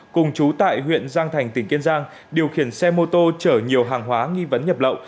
cùng chú tại huyện giang thành tỉnh kiên giang điều khiển xe mô tô chở nhiều hàng hóa nghi vấn nhập lậu